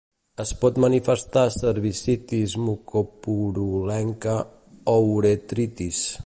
Es pot manifestar cervicitis mucopurulenta o uretritis.